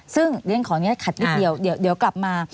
ซึ่งเรื่องของนี้ขัดอีกเดียวเดี๋ยวกลับมา